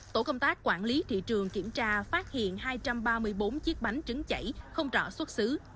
tổ công tác quản lý thị trường kiểm tra phát hiện hai trăm ba mươi bốn chiếc bánh trứng chảy không rõ xuất xứ